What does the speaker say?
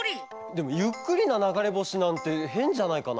でもゆっくりなながれぼしなんてへんじゃないかな？